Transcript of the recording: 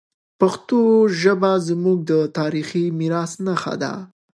پښتو ژبه زموږ د تاریخي میراث نښه ده.